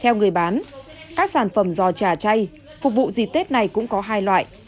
theo người bán các sản phẩm giò trà chay phục vụ dịp tết này cũng có hai loại